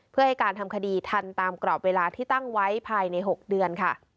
เพื่อให้การทำคดีทันตามกรอบเวลาที่ตั้งไว้ภายใน๖เดือนค่ะ